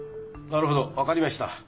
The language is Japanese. なるほどわかりました。